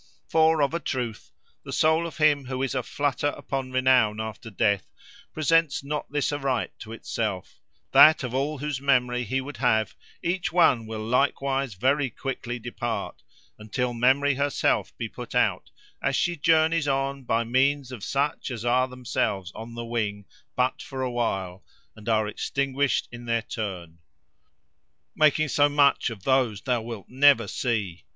For of a truth, the soul of him who is aflutter upon renown after death, presents not this aright to itself, that of all whose memory he would have each one will likewise very quickly depart, until memory herself be put out, as she journeys on by means of such as are themselves on the wing but for a while, and are extinguished in their turn.—Making so much of those thou wilt never see!